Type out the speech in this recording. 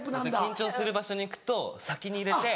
緊張する場所に行くと先に入れて。